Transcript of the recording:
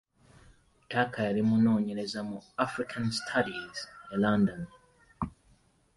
Tucker yali munoonyereza mu African studies e London.